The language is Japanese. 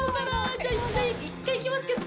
じゃあ１回行きますけど。